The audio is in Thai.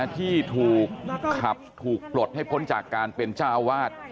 ที่ถูกขับถูกปลดให้พ้นจากการเป็นเจ้าอาวาส